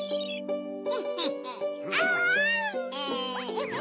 フフフ。